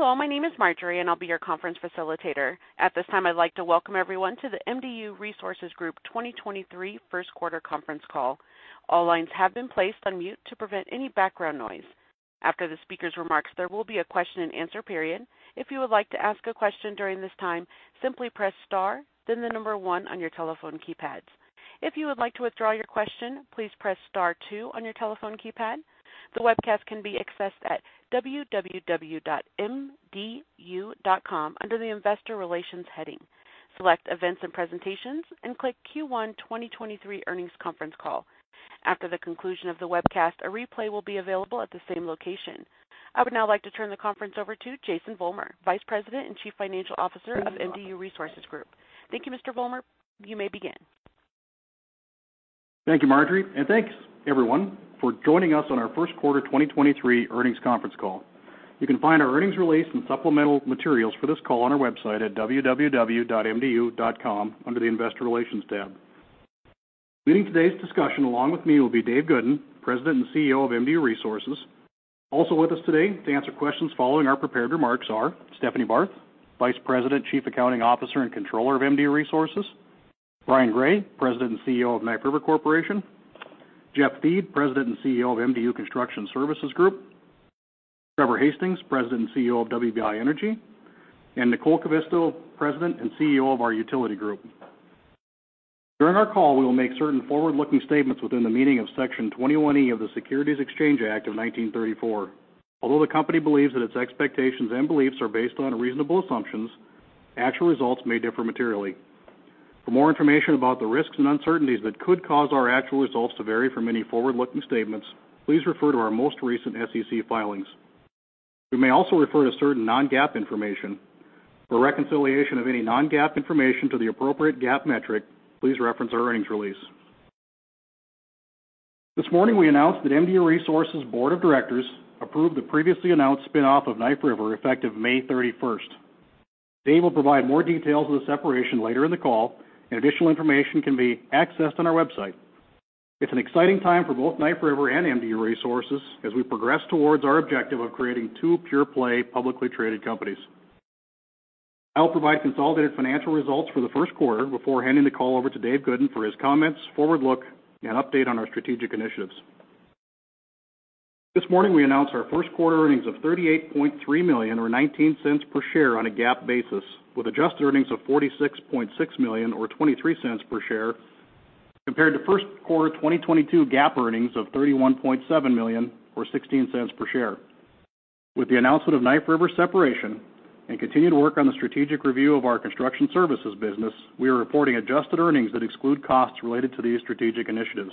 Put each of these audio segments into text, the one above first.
Hello, my name is Marjorie, and I'll be your conference facilitator. At this time, I'd like to welcome everyone to the MDU Resources Group 2023 first quarter conference call. All lines have been placed on mute to prevent any background noise. After the speaker's remarks, there will be a question-and-answer period. If you would like to ask a question during this time, simply press star, then the number one on your telephone keypads. If you would like to withdraw your question, please press star two on your telephone keypad. The webcast can be accessed at www.mdu.com under the investor relations heading. Select Events and Presentations and click Q1 2023 Earnings Conference Call. After the conclusion of the webcast, a replay will be available at the same location. I would now like to turn the conference over to Jason Vollmer, Vice President and Chief Financial Officer of MDU Resources Group. Thank you, Mr. Vollmer. You may begin. Thank you, Marjorie, and thanks everyone for joining us on our first quarter 2023 earnings conference call. You can find our earnings release and supplemental materials for this call on our website at www.mdu.com under the investor relations tab. Leading today's discussion along with me will be Dave Goodin, President and CEO of MDU Resources. Also with us today to answer questions following our prepared remarks are Stephanie Barth, Vice President, Chief Accounting Officer, and Controller of MDU Resources, Brian Gray, President and CEO of Knife River Corporation, Jeff Thiede, President and CEO of MDU Construction Services Group, Trevor Hastings, President and CEO of WBI Energy, and Nicole Kivisto, President and CEO of our utility group. During our call, we will make certain forward-looking statements within the meaning of Section 21E of the Securities Exchange Act of 1934. Although the company believes that its expectations and beliefs are based on reasonable assumptions, actual results may differ materially. For more information about the risks and uncertainties that could cause our actual results to vary from any forward-looking statements, please refer to our most recent SEC filings. We may also refer to certain non-GAAP information. For reconciliation of any non-GAAP information to the appropriate GAAP metric, please reference our earnings release. This morning, we announced that MDU Resources' Board of Directors approved the previously announced spin-off of Knife River effective May 31st. Dave will provide more details of the separation later in the call, and additional information can be accessed on our website. It's an exciting time for both Knife River and MDU Resources as we progress towards our objective of creating two pure play publicly traded companies. I'll provide consolidated financial results for the first quarter before handing the call over to Dave Goodin for his comments, forward look, and update on our strategic initiatives. This morning, we announced our first quarter earnings of $38.3 million or $0.19 per share on a GAAP basis, with adjusted earnings of $46.6 million or $0.23 per share compared to first quarter 2022 GAAP earnings of $31.7 million or $0.16 per share. With the announcement of Knife River separation and continued work on the strategic review of our construction services business, we are reporting adjusted earnings that exclude costs related to these strategic initiatives.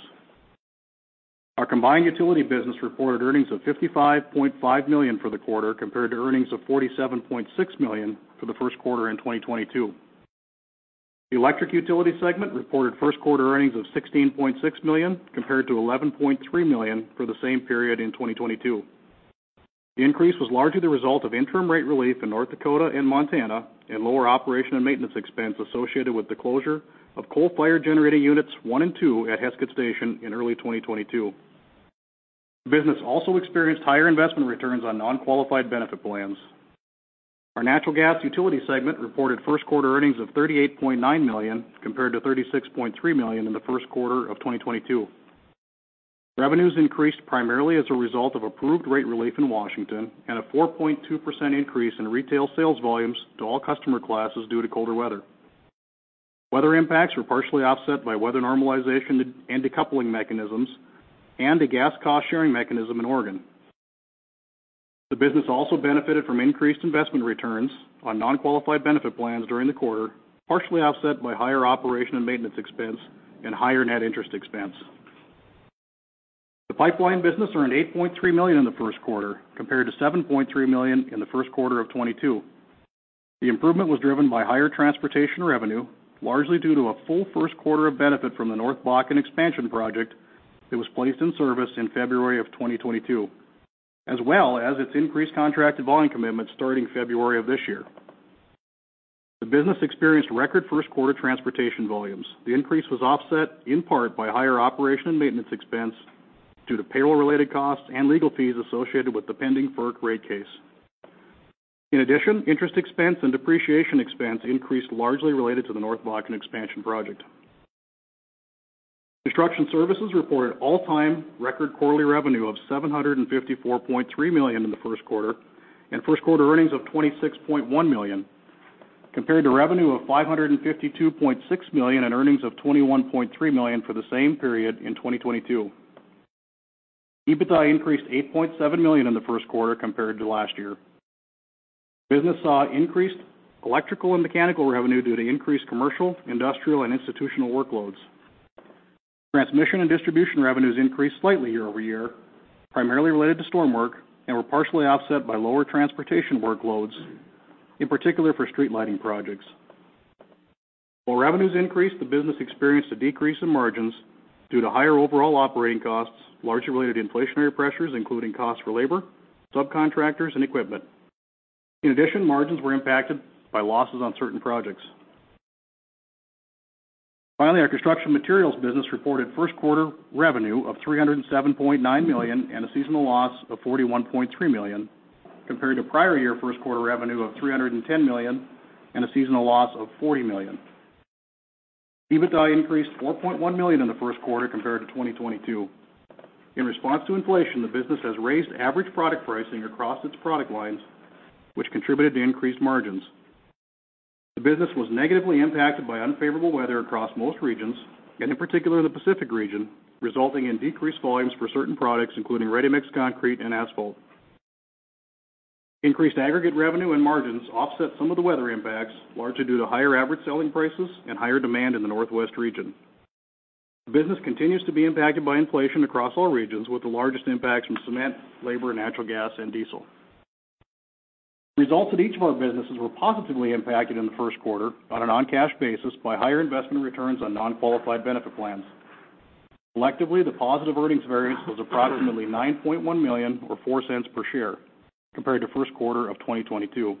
Our combined utility business reported earnings of $55.5 million for the quarter compared to earnings of $47.6 million for the first quarter in 2022. The electric utility segment reported first quarter earnings of $16.6 million compared to $11.3 million for the same period in 2022. The increase was largely the result of interim rate relief in North Dakota and Montana and lower operation and maintenance expense associated with the closure of coal-fired generating units one and two at Heskett Station in early 2022. The business also experienced higher investment returns on non-qualified benefit plans. Our natural gas utility segment reported first quarter earnings of $38.9 million compared to $36.3 million in the first quarter of 2022. Revenues increased primarily as a result of approved rate relief in Washington and a 4.2% increase in retail sales volumes to all customer classes due to colder weather. Weather impacts were partially offset by weather normalization and decoupling mechanisms and a gas cost-sharing mechanism in Oregon. The business also benefited from increased investment returns on non-qualified benefit plans during the quarter, partially offset by higher operation and maintenance expense and higher net interest expense. The pipeline business earned $8.3 million in the first quarter compared to $7.3 million in the first quarter of 2022. The improvement was driven by higher transportation revenue, largely due to a full first quarter of benefit from the North Bakken expansion project that was placed in service in February of 2022, as well as its increased contracted volume commitments starting February of this year. The business experienced record first quarter transportation volumes. The increase was offset in part by higher operation and maintenance expense due to payroll-related costs and legal fees associated with the pending FERC rate case. In addition, interest expense and depreciation expense increased largely related to the North Bakken expansion project. Construction services reported all-time record quarterly revenue of $754.3 million in the first quarter and first quarter earnings of $26.1 million, compared to revenue of $552.6 million and earnings of $21.3 million for the same period in 2022. EBITDA increased $8.7 million in the first quarter compared to last year. Business saw increased electrical and mechanical revenue due to increased commercial, industrial, and institutional workloads. Transmission and distribution revenues increased slightly year-over-year, primarily related to storm work, and were partially offset by lower transportation workloads, in particular for street lighting projects. While revenues increased, the business experienced a decrease in margins due to higher overall operating costs, largely related to inflationary pressures, including costs for labor, subcontractors, and equipment. In addition, margins were impacted by losses on certain projects. Finally, our construction materials business reported first quarter revenue of $307.9 million and a seasonal loss of $41.3 million, compared to prior year first quarter revenue of $310 million and a seasonal loss of $40 million. EBITDA increased $4.1 million in the first quarter compared to 2022. In response to inflation, the business has raised average product pricing across its product lines, which contributed to increased margins. The business was negatively impacted by unfavorable weather across most regions, and in particular, the Pacific region, resulting in decreased volumes for certain products, including ready-mix concrete and asphalt. Increased aggregate revenue and margins offset some of the weather impacts, largely due to higher average selling prices and higher demand in the Northwest region. Business continues to be impacted by inflation across all regions, with the largest impacts from cement, labor, natural gas and diesel. Results at each of our businesses were positively impacted in the first quarter on a non-cash basis by higher investment returns on non-qualified benefit plans. Collectively, the positive earnings variance was approximately $9.1 million or $0.04 per share compared to first quarter of 2022.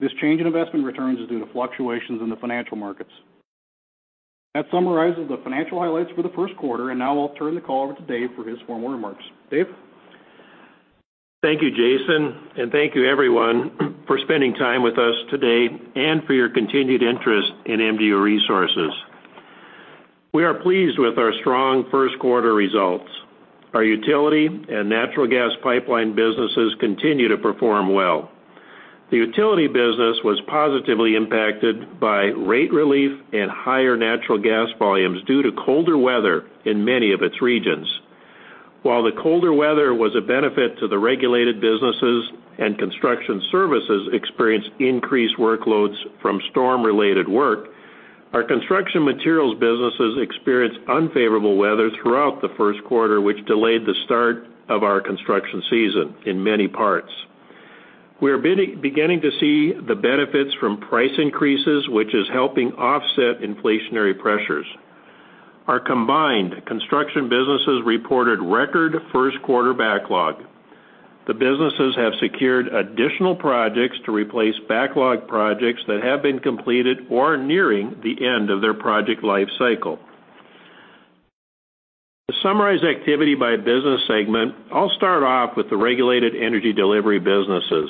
This change in investment returns is due to fluctuations in the financial markets. That summarizes the financial highlights for the first quarter. Now I'll turn the call over to Dave for his formal remarks. Dave? Thank you, Jason, and thank you everyone for spending time with us today and for your continued interest in MDU Resources. We are pleased with our strong first quarter results. Our utility and natural gas pipeline businesses continue to perform well. The utility business was positively impacted by rate relief and higher natural gas volumes due to colder weather in many of its regions. While the colder weather was a benefit to the regulated businesses and construction services experienced increased workloads from storm-related work, our construction materials businesses experienced unfavorable weather throughout the first quarter, which delayed the start of our construction season in many parts. We are beginning to see the benefits from price increases, which is helping offset inflationary pressures. Our combined construction businesses reported record first quarter backlog. The businesses have secured additional projects to replace backlog projects that have been completed or are nearing the end of their project life cycle. To summarize activity by business segment, I'll start off with the regulated energy delivery businesses.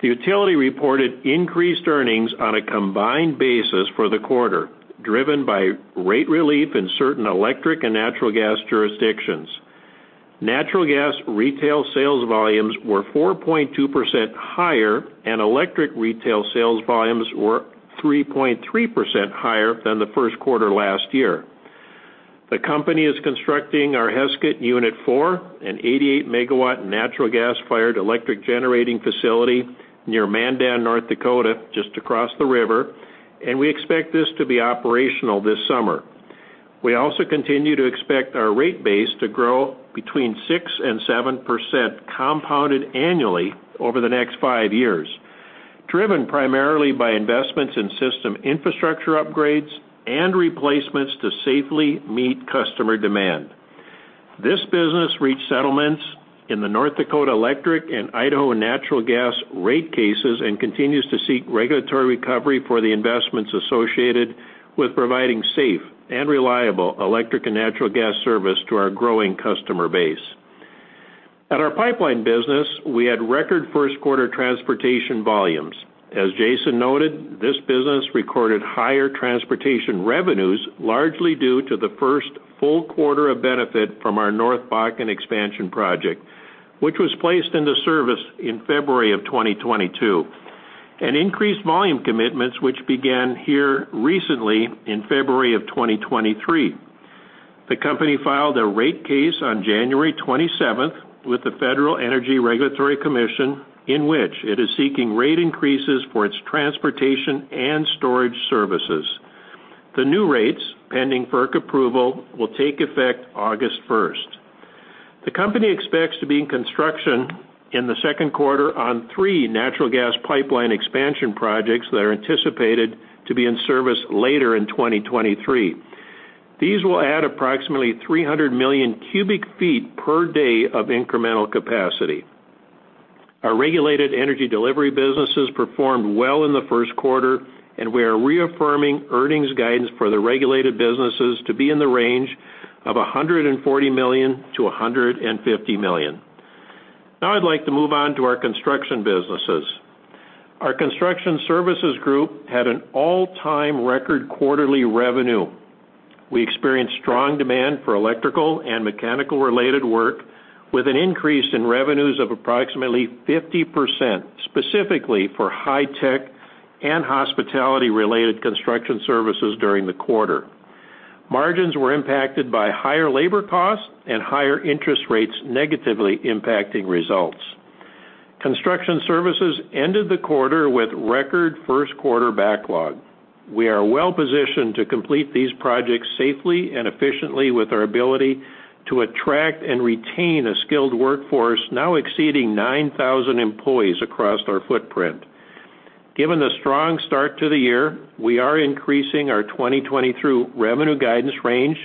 The utility reported increased earnings on a combined basis for the quarter, driven by rate relief in certain electric and natural gas jurisdictions. Natural gas retail sales volumes were 4.2% higher, and electric retail sales volumes were 3.3% higher than the first quarter last year. The company is constructing our Heskett Unit four, an 88 MW natural gas-fired electric generating facility near Mandan, North Dakota, just across the river, and we expect this to be operational this summer. We also continue to expect our rate base to grow between 6% and 7% compounded annually over the next five years, driven primarily by investments in system infrastructure upgrades and replacements to safely meet customer demand. This business reached settlements in the North Dakota Electric and Idaho Natural Gas Rate cases and continues to seek regulatory recovery for the investments associated with providing safe and reliable electric and natural gas service to our growing customer base. At our pipeline business, we had record first quarter transportation volumes. As Jason noted, this business recorded higher transportation revenues, largely due to the first full quarter of benefit from our North Bakken expansion project, which was placed into service in February of 2022, and increased volume commitments which began here recently in February of 2023. The company filed a rate case on January 27th with the Federal Energy Regulatory Commission, in which it is seeking rate increases for its transportation and storage services. The new rates, pending FERC approval, will take effect August 1st. The company expects to be in construction in the second quarter on three natural gas pipeline expansion projects that are anticipated to be in service later in 2023. These will add approximately 300 million cubic feet per day of incremental capacity. Our regulated energy delivery businesses performed well in the first quarter, and we are reaffirming earnings guidance for the regulated businesses to be in the range of $140 million to $150 million. I'd like to move on to our construction businesses. Our Construction Services Group had an all-time record quarterly revenue. We experienced strong demand for electrical and mechanical-related work, with an increase in revenues of approximately 50%, specifically for high tech and hospitality-related construction services during the quarter. Margins were impacted by higher labor costs and higher interest rates negatively impacting results. Construction services ended the quarter with record first quarter backlog. We are well positioned to complete these projects safely and efficiently with our ability to attract and retain a skilled workforce, now exceeding 9,000 employees across our footprint. Given the strong start to the year, we are increasing our 2022 revenue guidance range,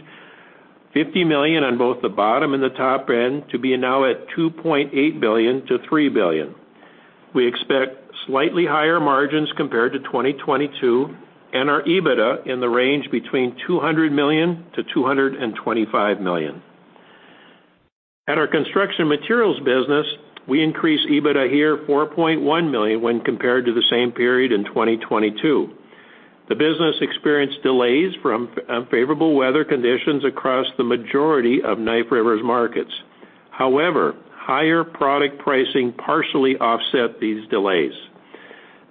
$50 million on both the bottom and the top end to be now at $2.8 billion to $3 billion. We expect slightly higher margins compared to 2022 and our EBITDA in the range between $200 million to $225 million. At our construction materials business, we increased EBITDA here $4.1 million when compared to the same period in 2022. The business experienced delays from unfavorable weather conditions across the majority of Knife River's markets. Higher product pricing partially offset these delays.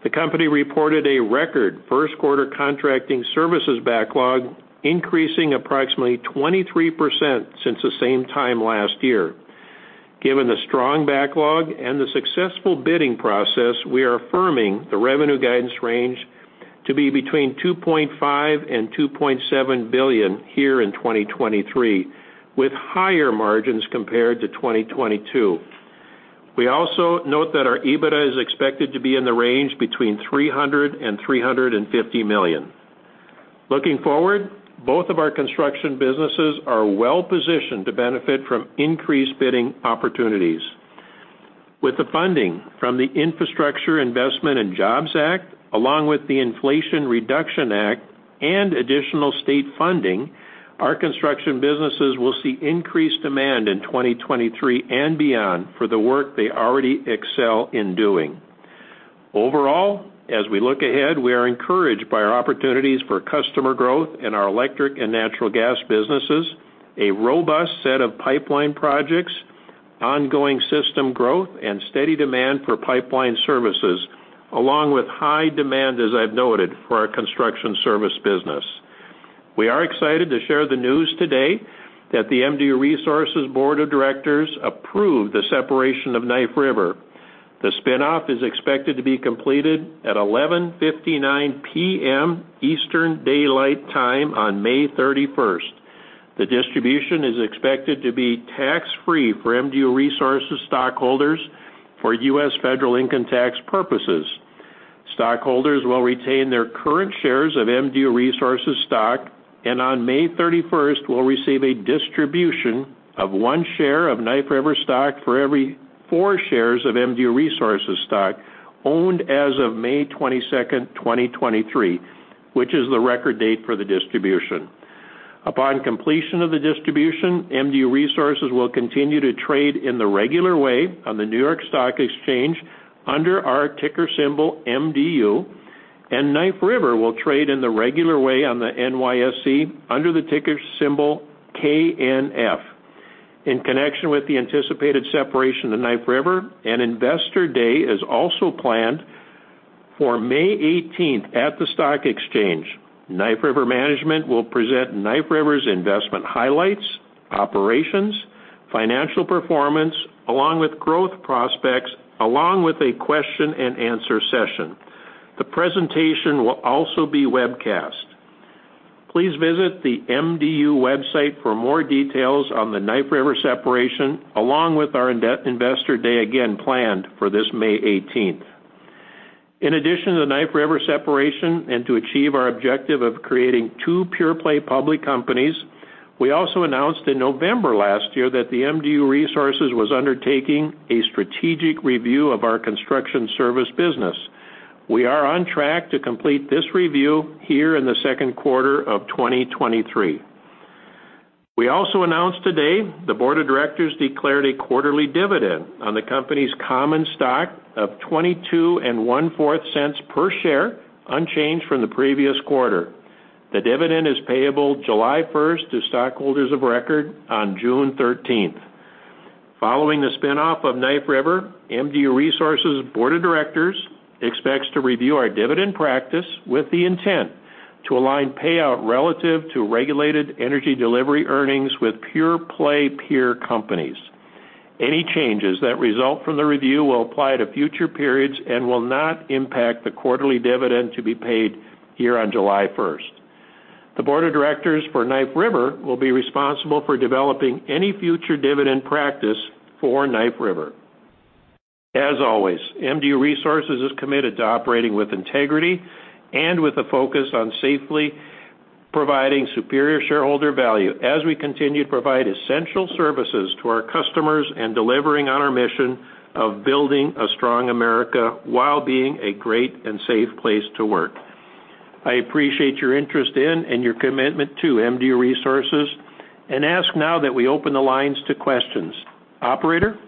The company reported a record first quarter contracting services backlog, increasing approximately 23% since the same time last year. Given the strong backlog and the successful bidding process, we are affirming the revenue guidance range to be between $2.5 billion and $2.7 billion here in 2023, with higher margins compared to 2022. We also note that our EBITDA is expected to be in the range between $300 million and $350 million. Looking forward, both of our construction businesses are well-positioned to benefit from increased bidding opportunities. With the funding from the Infrastructure Investment and Jobs Act, along with the Inflation Reduction Act and additional state funding, our construction businesses will see increased demand in 2023 and beyond for the work they already excel in doing. As we look ahead, we are encouraged by our opportunities for customer growth in our electric and natural gas businesses, a robust set of pipeline projects, ongoing system growth, and steady demand for pipeline services, along with high demand, as I've noted, for our construction service business. We are excited to share the news today that the MDU Resources board of directors approved the separation of Knife River. The spin-off is expected to be completed at 11:59 P.M. Eastern Daylight Time on May 31st. The distribution is expected to be tax-free for MDU Resources stockholders for U.S. federal income tax purposes. Stockholders will retain their current shares of MDU Resources stock, and on May 31st will receive a distribution of one share of Knife River stock for every four shares of MDU Resources stock owned as of May 22nd, 2023, which is the record date for the distribution. Upon completion of the distribution, MDU Resources will continue to trade in the regular way on the New York Stock Exchange under our ticker symbol MDU, and Knife River will trade in the regular way on the NYSE under the ticker symbol KNF. In connection with the anticipated separation of Knife River, an Investor Day is also planned for May 18th at the stock exchange. Knife River management will present Knife River's investment highlights, operations, financial performance, along with growth prospects, along with a question-and-answer session. The presentation will also be webcast. Please visit the MDU website for more details on the Knife River separation, along with our in-depth Investor Day again planned for this May 18th. In addition to the Knife River separation and to achieve our objective of creating two pure-play public companies, we also announced in November last year that the MDU Resources was undertaking a strategic review of our construction service business. We are on track to complete this review here in the second quarter of 2023. We also announced today the board of directors declared a quarterly dividend on the company's common stock of $0.2225 per share, unchanged from the previous quarter. The dividend is payable July 1st to stockholders of record on June 13th. Following the spin-off of Knife River, MDU Resources' board of directors expects to review our dividend practice with the intent to align payout relative to regulated energy delivery earnings with pure-play peer companies. Any changes that result from the review will apply to future periods and will not impact the quarterly dividend to be paid here on July 1st. The board of directors for Knife River will be responsible for developing any future dividend practice for Knife River. As always, MDU Resources is committed to operating with integrity and with a focus on safely providing superior shareholder value as we continue to provide essential services to our customers and delivering on our mission of building a strong America while being a great and safe place to work. I appreciate your interest in and your commitment to MDU Resources and ask now that we open the lines to questions. Operator?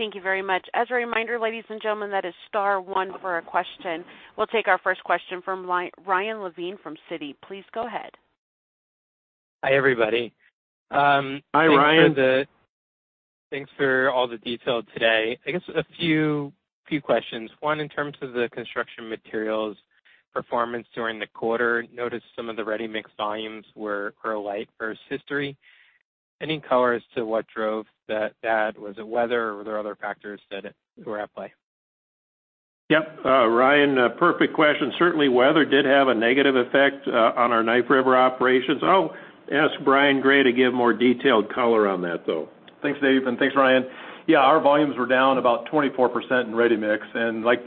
Thank you very much. As a reminder, ladies and gentlemen, that is star one for a question. We'll take our first question from Ryan Levine from Citi. Please go ahead. Hi, everybody. Hi, Ryan. Thanks for all the detail today. I guess a few questions. One, in terms of the construction materials performance during the quarter, noticed some of the ready-mix volumes were light versus history. Any color as to what drove that? Was it weather or were there other factors that were at play? Yep. Ryan, perfect question. Certainly, weather did have a negative effect, on our Knife River operations. I'll ask Brian Gray to give more detailed color on that, though. Thanks, Dave, and thanks, Ryan. Yeah, our volumes were down about 24% in ready-mix. Like,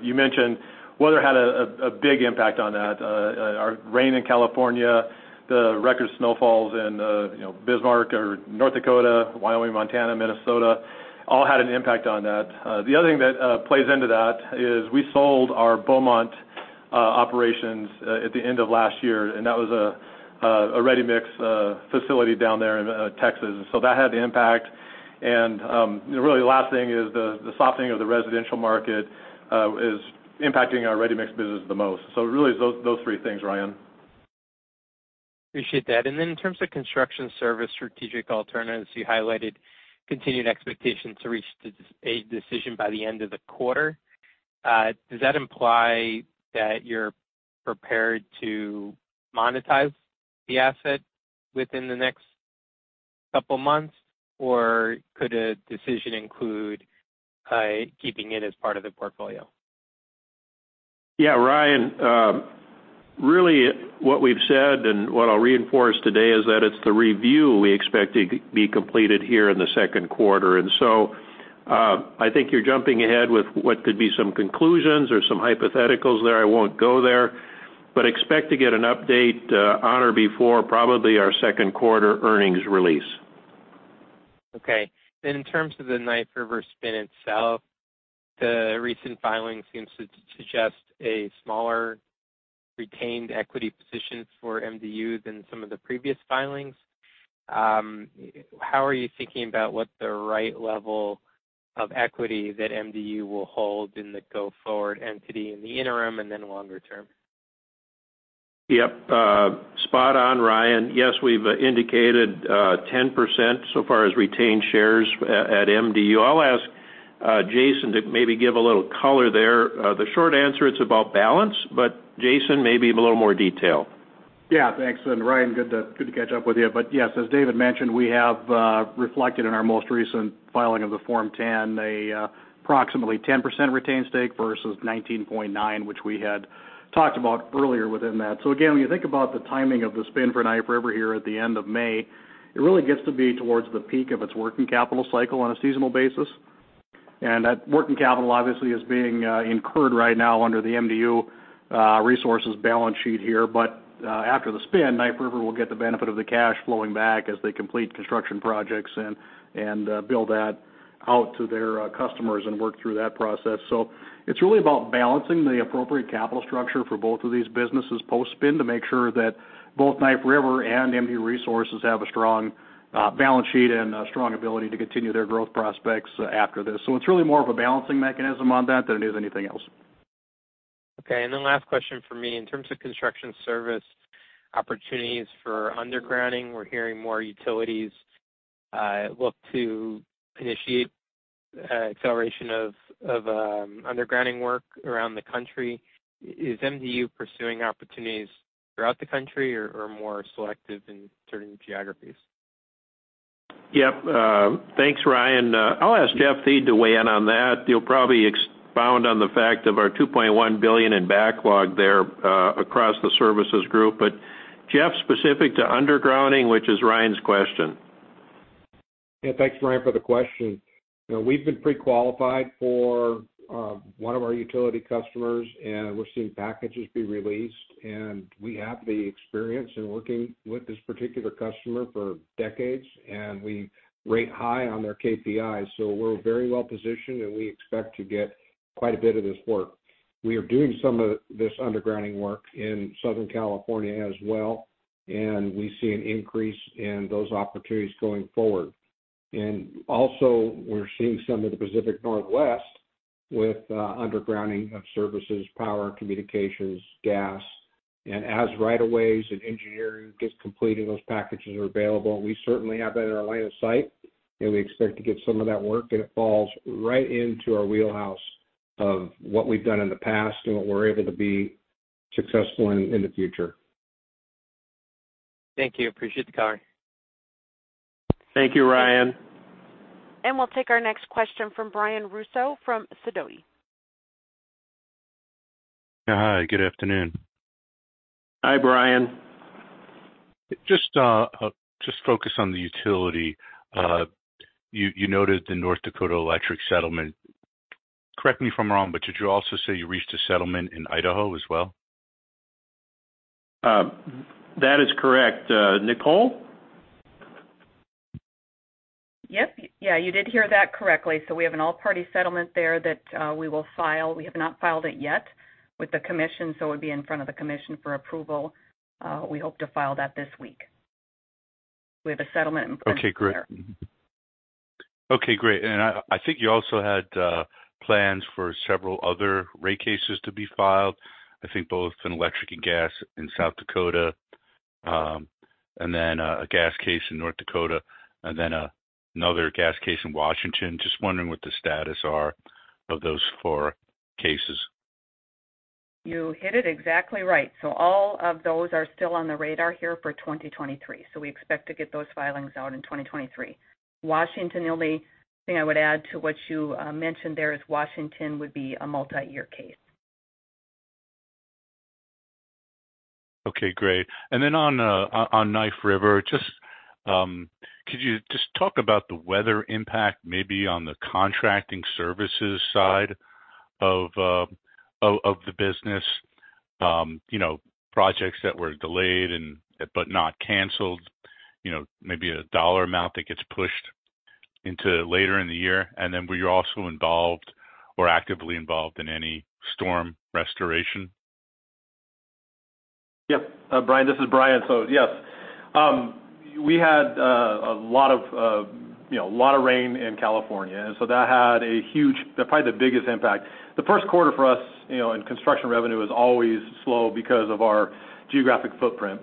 you mentioned, weather had a big impact on that. Our rain in California, the record snowfalls in, you know, Bismarck or North Dakota, Wyoming, Montana, Minnesota. All had an impact on that. The other thing that plays into that is we sold our Beaumont operations at the end of last year, and that was a ready-mix facility down there in Texas. That had the impact. Really the last thing is the softening of the residential market is impacting our ready-mix business the most. Really is those three things, Ryan. Appreciate that. Then in terms of construction service strategic alternatives, you highlighted continued expectations to reach a decision by the end of the quarter. Does that imply that you're prepared to monetize the asset within the next couple of months? Could a decision include, keeping it as part of the portfolio? Yeah, Ryan. Really what we've said, and what I'll reinforce today is that it's the review we expect to be completed here in the second quarter. I think you're jumping ahead with what could be some conclusions or some hypotheticals there. I won't go there, but expect to get an update on or before probably our second quarter earnings release. Okay. In terms of the Knife River spin itself, the recent filing seems to suggest a smaller retained equity position for MDU than some of the previous filings. How are you thinking about what the right level of equity that MDU will hold in the go-forward entity in the interim and then longer term? Yep. Spot on, Ryan. Yes, we've indicated 10% so far as retained shares at MDU. I'll ask Jason to maybe give a little color there. The short answer, it's about balance. Jason, maybe a little more detail. Yeah. Thanks. Ryan, good to catch up with you. Yes, as David mentioned, we have reflected in our most recent filing of the Form 10, approximately 10% retained stake versus 19.9%, which we had talked about earlier within that. Again, when you think about the timing of the spin for Knife River here at the end of May, it really gets to be towards the peak of its working capital cycle on a seasonal basis. That working capital obviously is being incurred right now under the MDU Resources balance sheet here. After the spin, Knife River will get the benefit of the cash flowing back as they complete construction projects and bill that out to their customers and work through that process. It's really about balancing the appropriate capital structure for both of these businesses post-spin to make sure that both Knife River and MDU Resources have a strong balance sheet and a strong ability to continue their growth prospects after this. It's really more of a balancing mechanism on that than it is anything else. Last question from me. In terms of construction service opportunities for undergrounding, we're hearing more utilities look to initiate acceleration of undergrounding work around the country. Is MDU pursuing opportunities throughout the country or more selective in certain geographies? Yep. Thanks, Ryan. I'll ask Jeff Thiede to weigh in on that. He'll probably expound on the fact of our $2.1 billion in backlog there, across the services group. Jeff, specific to undergrounding, which is Ryan's question. Yeah, thanks, Ryan, for the question. You know, we've been pre-qualified for one of our utility customers, and we're seeing packages be released. We have the experience in working with this particular customer for decades, and we rate high on their KPIs. We're very well-positioned, and we expect to get quite a bit of this work. We are doing some of this undergrounding work in Southern California as well, and we see an increase in those opportunities going forward. We're seeing some of the Pacific Northwest with undergrounding of services, power, communications, gas. As right-of-ways and engineering gets completed, those packages are available. We certainly have that in our line of sight, and we expect to get some of that work, and it falls right into our wheelhouse of what we've done in the past and what we're able to be successful in the future. Thank you. Appreciate the color. Thank you, Ryan. We'll take our next question from Brian Russo from Sidoti. Hi, good afternoon. Hi, Brian. Just focus on the utility. You noted the North Dakota electric settlement. Correct me if I'm wrong, did you also say you reached a settlement in Idaho as well? That is correct. Nicole? Yep. Yeah, you did hear that correctly. We have an all-party settlement there that we will file. We have not filed it yet with the Commission, it'd be in front of the Commission for approval. We hope to file that this week. We have a settlement in front there. Okay, great. Mm-hmm. Okay, great. I think you also had plans for several other rate cases to be filed. I think both in electric and gas in South Dakota, and then a gas case in North Dakota, and then another gas case in Washington. Just wondering what the status are of those four cases? You hit it exactly right. All of those are still on the radar here for 2023. We expect to get those filings out in 2023. Washington, the only thing I would add to what you mentioned there is Washington would be a multi-year case. Okay, great. On Knife River, just could you just talk about the weather impact maybe on the contracting services side of the business? You know, projects that were delayed but not canceled, you know, maybe a $ amount that gets pushed into later in the year. Were you also involved or actively involved in any storm restoration? Yep. Brian, this is Brian. Yes. We had, you know, a lot of rain in California, and so that had a huge. Probably the biggest impact. The first quarter for us, you know, in construction revenue is always slow because of our geographic footprint.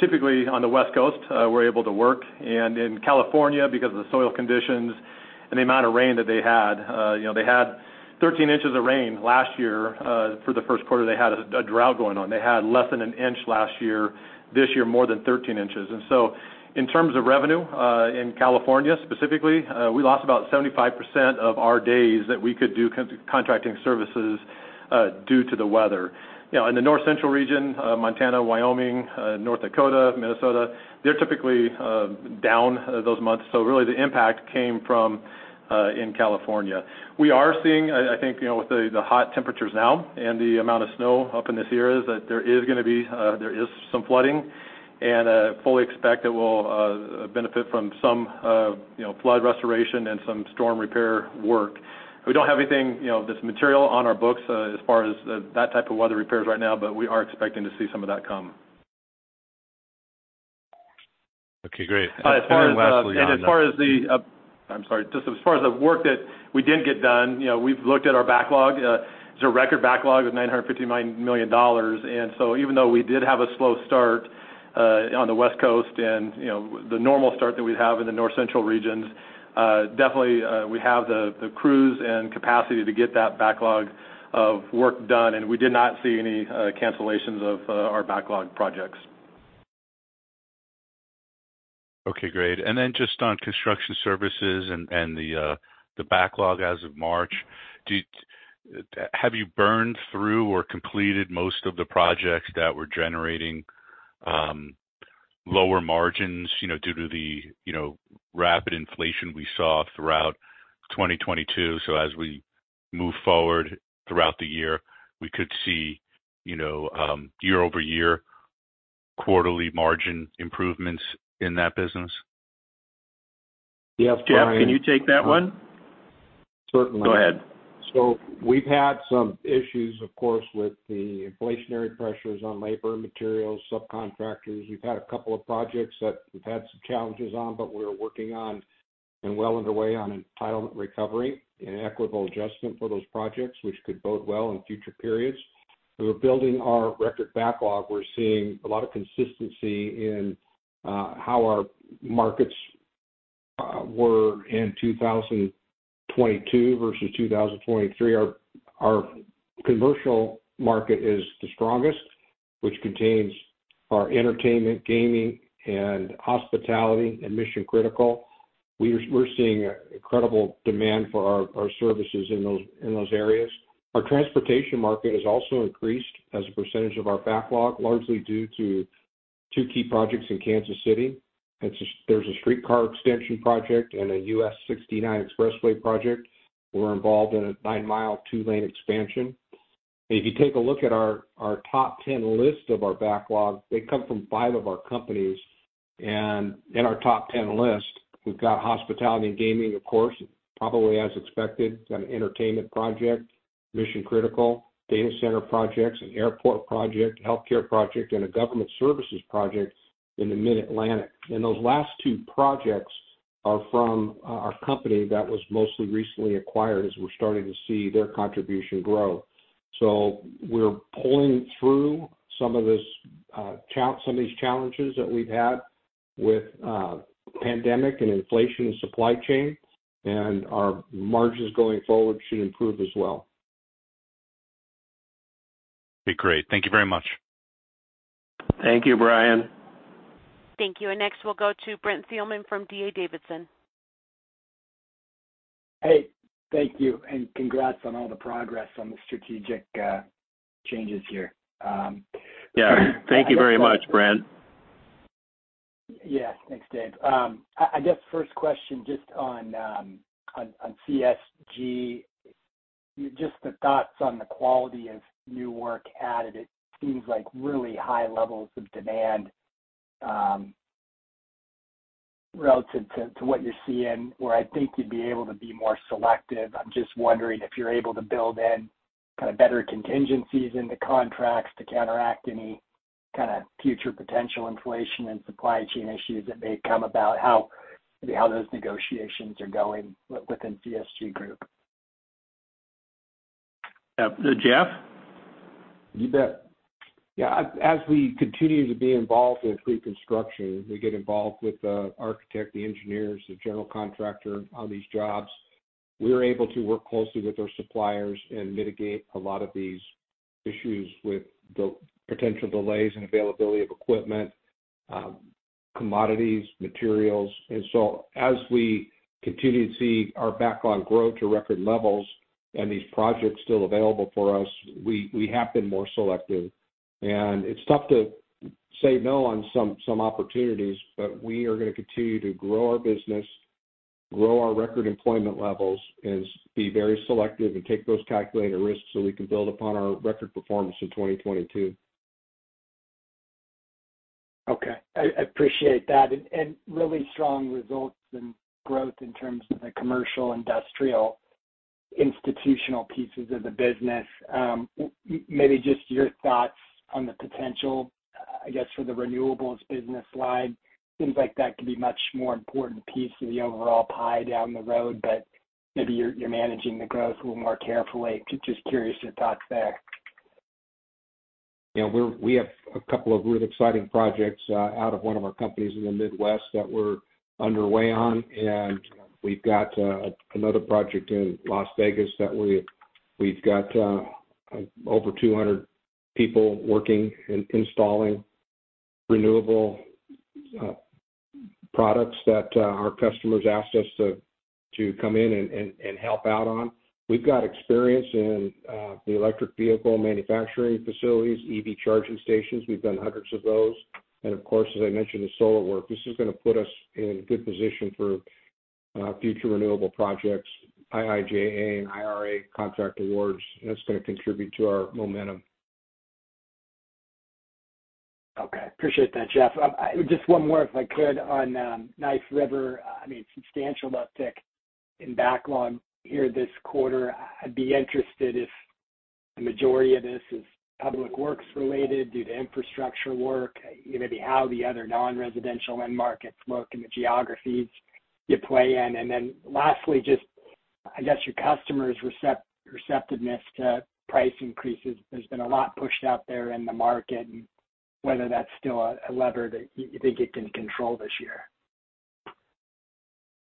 Typically on the West Coast, we're able to work. In California, because of the soil conditions and the amount of rain that they had, you know, they had 13 in of rain last year. For the first quarter, they had a drought going on. They had less than 1 in last year. This year, more than 13 in. In terms of revenue, in California specifically, we lost about 75% of our days that we could do contracting services, due to the weather. You know, in the North Central region, Montana, Wyoming, North Dakota, Minnesota, they're typically down those months. Really the impact came from in California. We are seeing, I think, you know, with the hot temperatures now and the amount of snow up in the Sierras, that there is some flooding and fully expect it will benefit from some, you know, flood restoration and some storm repair work. We don't have anything, you know, this material on our books, as far as that type of weather repairs right now, but we are expecting to see some of that come. Okay, great. [crosstalk As far as the work that we did get done, you know, we've looked at our backlog. It's a record backlog of $950 million. Even though we did have a slow start on the West Coast and, you know, the normal start that we have in the North Central regions, definitely, we have the crews and capacity to get that backlog of work done, and we did not see any cancellations of our backlog projects. Okay, great. Just on construction services and the backlog as of March, have you burned through or completed most of the projects that were generating lower margins, you know, due to the, you know, rapid inflation we saw throughout 2022? As we move forward throughout the year, we could see, you know, year-over-year quarterly margin improvements in that business. Yeah. Brian. Jeff, can you take that one? Certainly. Go ahead. We've had some issues, of course, with the inflationary pressures on labor, materials, subcontractors. We've had a couple of projects that we've had some challenges on, but we're working on and well underway on entitlement recovery and equitable adjustment for those projects, which could bode well in future periods. We're building our record backlog. We're seeing a lot of consistency in how our markets were in 2022 versus 2023. Our commercial market is the strongest, which contains our entertainment, gaming, and hospitality and mission-critical. We're seeing incredible demand for our services in those, in those areas. Our transportation market has also increased as a percentage of our backlog, largely due to two key projects in Kansas City. There's a streetcar extension project and a U.S. 69 expressway project. We're involved in a 9-mile, 2-lane expansion. If you take a look at our top 10 list of our backlog, they come from five of our companies. In our top 10 list, we've got hospitality and gaming, of course, probably as expected, an entertainment project, mission-critical, data center projects, an airport project, healthcare project, and a government services project in the Mid-Atlantic. Those last two projects are from our company that was mostly recently acquired as we're starting to see their contribution grow. We're pulling through some of these challenges that we've had with pandemic and inflation and supply chain, and our margins going forward should improve as well. Okay, great. Thank you very much. Thank you, Brian. Thank you. Next, we'll go to Brent Thielman from D.A. Davidson. Hey, thank you, and congrats on all the progress on the strategic changes here. Thank you very much, Brent. Yeah. Thanks, Dave. I guess first question just on CSG. Just the thoughts on the quality of new work added. It seems like really high levels of demand relative to what you're seeing, where I think you'd be able to be more selective. I'm just wondering if you're able to build in kind of better contingencies in the contracts to counteract any kind of future potential inflation and supply chain issues that may come about, how those negotiations are going within CSG Group? Yeah. Jeff? You bet. Yeah. As we continue to be involved in pre-construction, we get involved with the architect, the engineers, the general contractor on these jobs. We're able to work closely with our suppliers and mitigate a lot of these issues with the potential delays and availability of equipment, commodities, materials. As we continue to see our backlog grow to record levels and these projects still available for us, we have been more selective. It's tough to say no on some opportunities, but we are gonna continue to grow our business grow our record employment levels be very selective and take those calculated risks so we can build upon our record performance in 2022. Okay. I appreciate that. Really strong results and growth in terms of the commercial, industrial, institutional pieces of the business. Maybe just your thoughts on the potential, I guess for the renewables business line. Seems like that could be much more important piece of the overall pie down the road, but maybe you're managing the growth a little more carefully. Just curious your thoughts there. You know, we're, we have a couple of really exciting projects out of one of our companies in the Midwest that we're underway on, and we've got another project in Las Vegas that we've got over 200 people working in installing renewable products that our customers asked us to come in and, and help out on. We've got experience in the electric vehicle manufacturing facilities, EV charging stations. We've done hundreds of those. Of course, as I mentioned, the solar work. This is gonna put us in a good position for future renewable projects, IIJA and IRA contract awards, and that's gonna contribute to our momentum. Okay. Appreciate that, Jeff. Just one more, if I could, on Knife River. I mean, substantial uptick in backlog here this quarter. I'd be interested if the majority of this is public works related due to infrastructure work, you know, maybe how the other non-residential end markets look and the geographies you play in. Lastly, just I guess your customers receptiveness to price increases. There's been a lot pushed out there in the market and whether that's still a lever that you think you can control this year.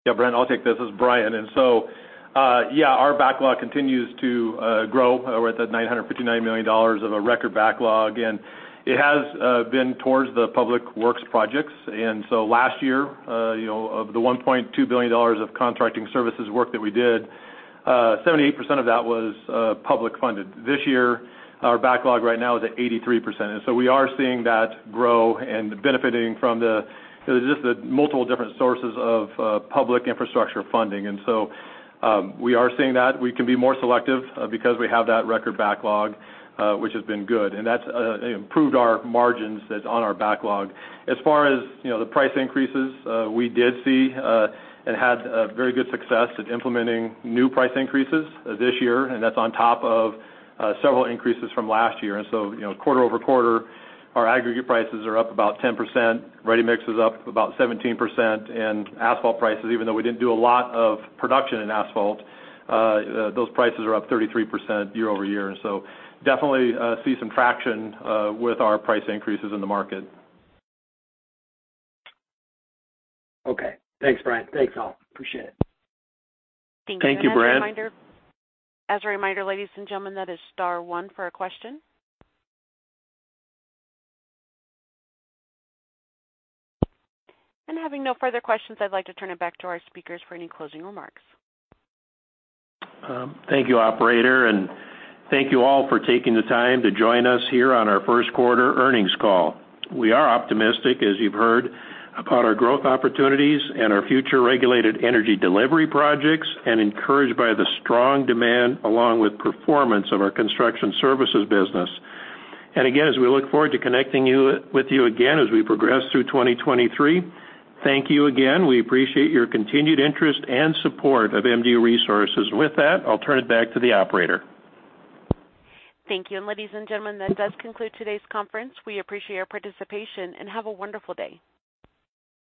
Yeah, Brent, I'll take this. This is Brian. Yeah, our backlog continues to grow. We're at the $959 million of a record backlog, and it has been towards the public works projects. Last year, you know, of the $1.2 billion of contracting services work that we did, 78% of that was public funded. This year, our backlog right now is at 83%. We are seeing that grow and benefiting from the just the multiple different sources of public infrastructure funding. We are seeing that. We can be more selective because we have that record backlog, which has been good, and that's improved our margins that's on our backlog. As far as, you know, the price increases, we did see and had a very good success at implementing new price increases this year, and that's on top of several increases from last year. You know, quarter-over-quarter, our aggregate prices are up about 10%, ready mix is up about 17%, and asphalt prices, even though we didn't do a lot of production in asphalt, those prices are up 33% year-over-year. Definitely, see some traction with our price increases in the market. Okay. Thanks, Brian. Thanks all. Appreciate it. Thank you, Brent. As a reminder, ladies and gentlemen, that is star one for a question. Having no further questions, I'd like to turn it back to our speakers for any closing remarks. Thank you, operator, and thank you all for taking the time to join us here on our first quarter earnings call. We are optimistic, as you've heard, about our growth opportunities and our future regulated energy delivery projects, and encouraged by the strong demand along with performance of our construction services business. As we look forward to with you again as we progress through 2023, thank you again. We appreciate your continued interest and support of MDU Resources. With that, I'll turn it back to the operator. Thank you. Ladies and gentlemen, that does conclude today's conference. We appreciate your participation, and have a wonderful day.